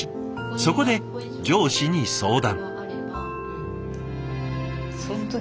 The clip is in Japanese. そこで上司に相談。